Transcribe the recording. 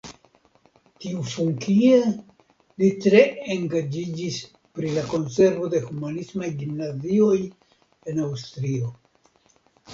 Tiufunkie li tre engaĝiĝis pri la konservo de humanismaj gimnazioj en Aŭstrio.